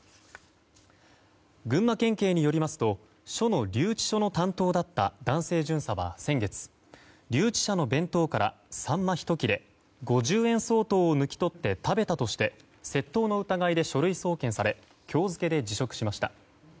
群馬県警によりますと署の留置所の担当だった男性巡査は、先月留置者の弁当からサンマ１切れ５０円相当を抜き取って食べたとして窃盗の疑いで書類送検され今日付で辞職しました。